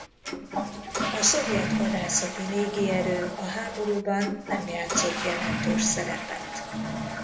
A szovjet hadászati légierő a háborúban nem játszott jelentős szerepet.